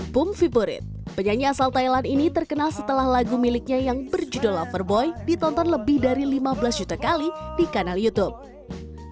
pum viburit penyanyi asal thailand ini terkenal setelah lagu miliknya yang berjudul loverboy ditonton lebih dari lima belas juta kali di kanal youtube